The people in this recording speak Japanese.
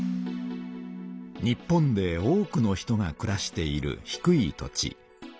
日本で多くの人がくらしている低い土地。